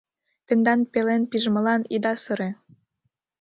Тендан пелен пижмылан ида сыре.